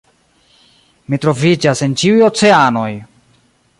"Mi troviĝas en ĉiuj oceanoj!"